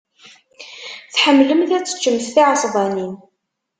Tḥemmlemt ad teččemt tiɛesbanin.